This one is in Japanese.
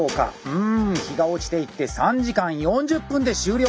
うん日が落ちていって３時間４０分で終了！